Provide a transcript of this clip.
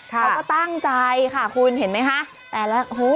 เขาก็ตั้งใจค่ะคุณเห็นไหมคะ